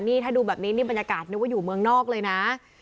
นี่ถ้าดูแบบนี้นี่บรรยากาศนึกว่าอยู่เมืองนอกเลยนะ